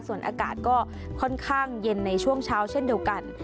ส่วนอากาศก็ค่อนข้างเย็นในช่วงเช้าเช่นเดียวกัน